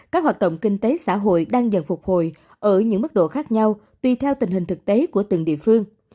các hoạt động kinh tế xã hội đang dần phục hồi ở những mức độ khác nhau tùy theo tình hình thực tế của từng địa phương